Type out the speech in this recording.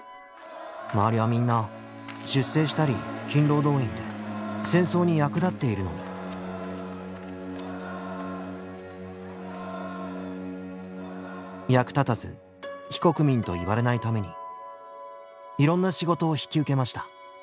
周りはみんな出征したり勤労動員で戦争に役立っているのに「役立たず非国民」と言われないためにいろんな仕事を引き受けました。